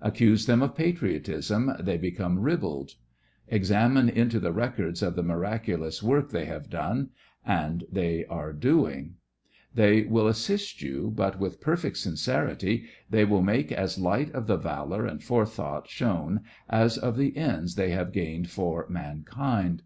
Accuse them of patriotism, they become ribald. Examine into the records of the miraculous work they 120 THE FRINGES OF THE FLEET have done and are doing. They will assist you, but with perfect sincerity they will make as light of the valour and forethought shown as of the ends they have gained for mankind.